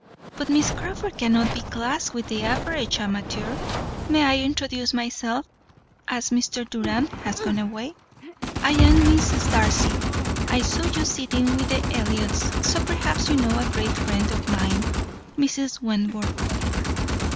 "But Miss Crawford cannot be classed with the average amateur. May I introduce myself, as Mr. Durand has gone away? I am Mrs. Darcy. I saw you sitting with the Elliots, so perhaps you know a great friend of mine, Mrs. Wentworth."